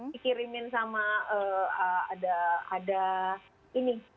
dikirimin sama ada ini